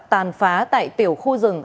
tàn phá tại tiểu khu rừng